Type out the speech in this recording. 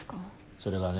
それがね